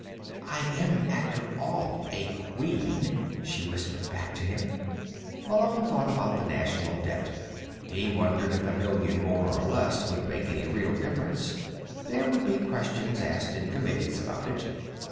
_ "I am, after all, a Queen," she whispered back to him. Malone thought about the National Debt. He wondered if a million more or less would make any real difference. There would be questions asked in committees about it.